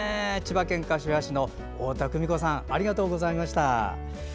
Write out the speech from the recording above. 千葉県柏市の太田久美子さんありがとうございました。